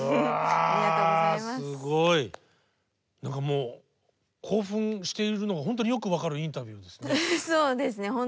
何かもう興奮しているのが本当によく分かるインタビューですね。